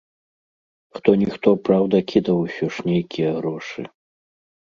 Хто-ніхто, праўда, кідаў усё ж нейкія грошы.